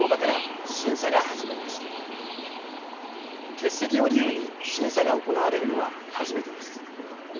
欠席を理由に審査が行われるのは初めてです。